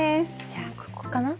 じゃあここかな。